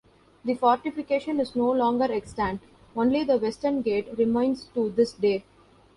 The fortification is no longer extant; only the western gate remains to this day.